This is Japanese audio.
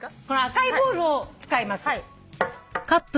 この赤いボールを使います。